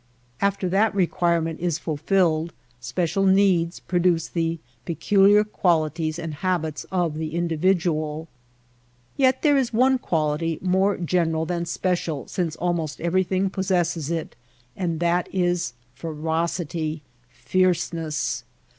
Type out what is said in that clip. After that requirement is fulfilled special needs pro duce the peculiar qualities and habits of the in dividual. Yet there is one quality more general than special since almost everything possesses it, and that is ferocity — fierceness.